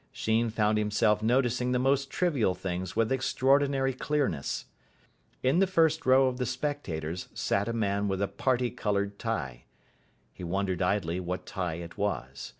Sheen found himself noticing the most trivial things with extraordinary clearness. In the front row of the spectators sat a man with a parti coloured tie. He wondered idly what tie it was.